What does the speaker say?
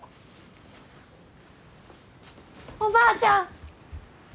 おばあちゃん！